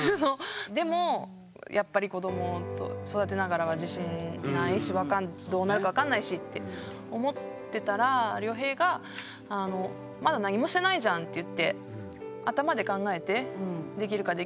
でもやっぱり子ども育てながらは自信ないしどうなるか分かんないしって思ってたら良平が「まだ何もしてないじゃん」って言って。